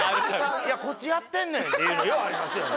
いや、こっちやってんねんってようありますよね。